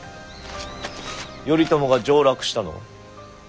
頼朝が上洛したのは？